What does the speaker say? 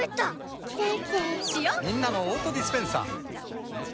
みんなのオートディスペンサー